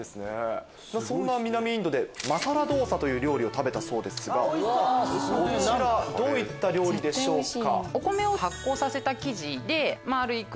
そんな南インドでマサラドーサという料理を食べたそうですがこちらどういった料理でしょうか？